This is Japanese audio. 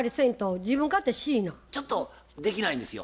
ちょっとできないんですよ。